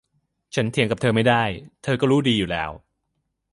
ฉันเถียงกับเธอไม่ได้ เธอก็รู้ดีอยู่แล้ว